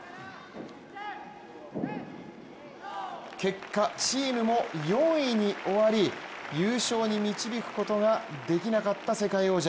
結果、チームも４位に終わり優勝に導くことができなかった世界王者。